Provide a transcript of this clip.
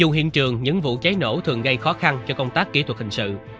dù hiện trường những vụ cháy nổ thường gây khó khăn cho công tác kỹ thuật hình sự